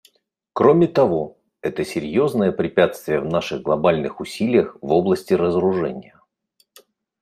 Кроме того, это серьезное препятствие в наших глобальных усилиях в области разоружения.